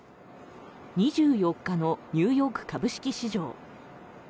２４日のニューヨーク株式市場。